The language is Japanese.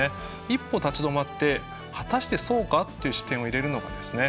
一歩立ち止まって果たしてそうかっていう視点を入れるのがですね